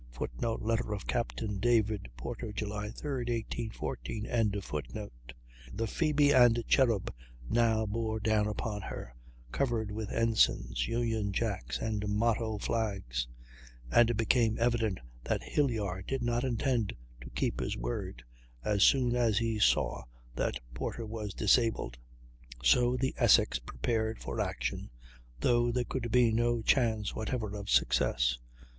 [Footnote: Letter of Captain David Porter, July 3, 1814.] The Phoebe and Cherub now bore down upon her, covered with ensigns, union jacks, and motto flags; and it became evident that Hilyar did not intend to keep his word, as soon as he saw that Porter was disabled. So the Essex prepared for action, though there could be no chance whatever of success.